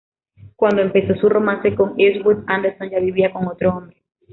Cuando empezó su romance con Eastwood, Anderson ya vivía con otro hombre.